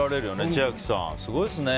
千秋さん、すごいよね。